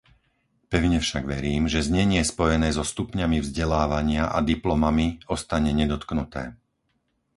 Pevne však verím, že znenie spojené so stupňami vzdelávania a diplomami ostane nedotknuté.